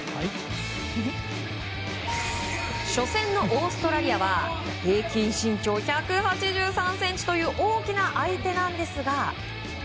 初戦のオーストラリアは平均身長１８３ｃｍという大きな相手なんですが。